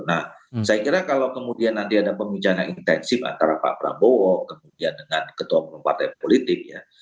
nah saya kira kalau kemudian nanti ada pembicaraan intensif antara pak prabowo kemudian dengan ketua umum partai politik ya